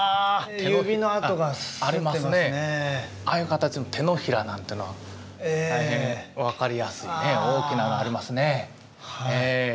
ああいう形の手のひらなんてのは大変分かりやすいね大きなのありますね。